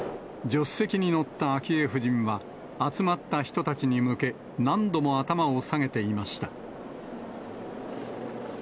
助手席に乗った昭恵夫人は、集まった人たちに向け、何度も頭を下げていました。